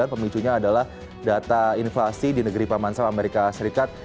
pemicunya adalah data inflasi di negeri pamansal amerika serikat